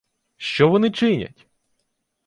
— Що вони чинять?